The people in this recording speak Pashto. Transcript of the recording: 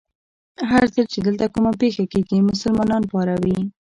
هر ځل چې دلته کومه پېښه کېږي، مسلمانان پاروي.